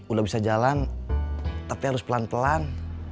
udah bisa jalan tapi harus pelan pelan